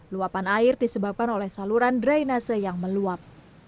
luapan air disebabkan oleh saluran drainase yang meluap